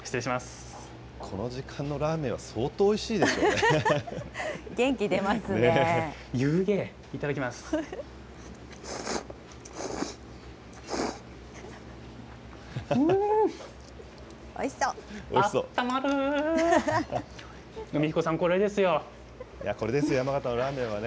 この時間のラーメンは相当お元気出ますね。